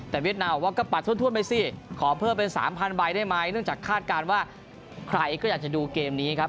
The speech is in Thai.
แต่เวียดนามบอกว่าก็ปัดถ้วนไปสิขอเพิ่มเป็น๓๐๐ใบได้ไหมเนื่องจากคาดการณ์ว่าใครก็อยากจะดูเกมนี้ครับ